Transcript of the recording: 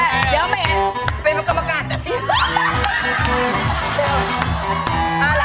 เดี๋ยวไปกับกรรมการ